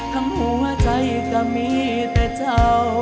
หัวใจก็มีแต่เจ้า